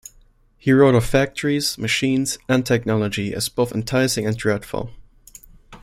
He wrote of factories, machines, and technology as both enticing and dreadful.